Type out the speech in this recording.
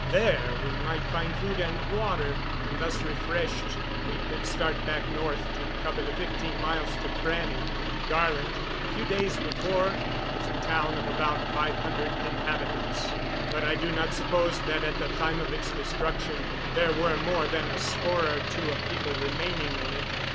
There we might find food and water; and, thus refreshed, we could start back north to cover the fifteen miles to Frannie. Garland, a few days before, was a town of about five hundred inhabitants; but I do not suppose that, at the time of its destruction, there were more than a score or two of people remaining in it.